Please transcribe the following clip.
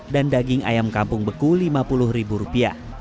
dan daging ayam kampung beku rp lima puluh